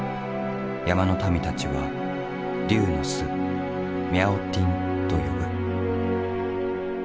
山の民たちは龍の巣ミャオティンと呼ぶ。